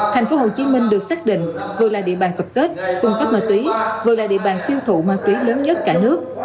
tp hcm được xác định vừa là địa bàn tập kết cung cấp ma túy vừa là địa bàn tiêu thụ ma túy lớn nhất cả nước